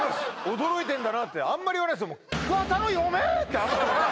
驚いてるんだなってあんまり言わないですもん